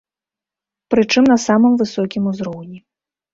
Прычым, на самым высокім узроўні.